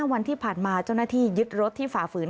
วันที่ผ่านมาเจ้าหน้าที่ยึดรถที่ฝ่าฝืน